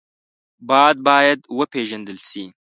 باد باید وپېژندل شي